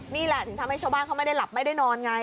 นี่แหละถึงทำให้ชาวบ้านเขาไม่ได้หลับไม่ได้นอนไง